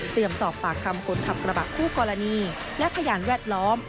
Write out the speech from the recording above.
สอบปากคำคนขับกระบะคู่กรณีและพยานแวดล้อม